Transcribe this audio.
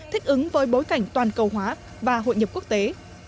thích ứng với bối cảnh toàn cầu hóa và hội nhập quốc tế